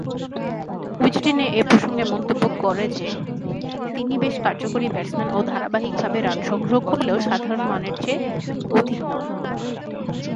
উইজডেনে এ প্রসঙ্গে মন্তব্য করে যে, তিনি বেশ কার্যকরী ব্যাটসম্যান ও ধারাবাহিকভাবে রান সংগ্রহ করলেও সাধারণমানের চেয়ে অধিক নন।